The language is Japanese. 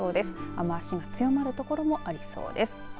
雨足が強まる所もありそうです。